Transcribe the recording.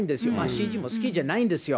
ＣＧも好きじゃないんですよ。